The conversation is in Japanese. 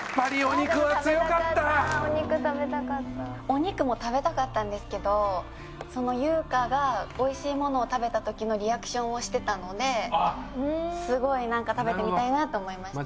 お肉も食べたかったんですけど友香が美味しいものを食べた時のリアクションをしてたのですごいなんか食べてみたいなと思いました。